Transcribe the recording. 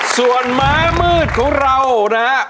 ส่วนม้ามืดของเรานะครับ